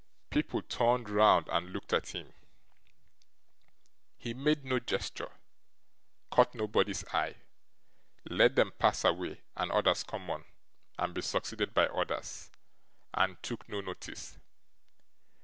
People turned round and looked at him; he made no gesture, caught nobody's eye, let them pass away, and others come on and be succeeded by others, and took no notice.